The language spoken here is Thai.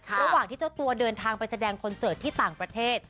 ระหว่างที่เจ้าตัวเดินทางไปแสดงคอนเสิร์ตที่ต่างประเทศ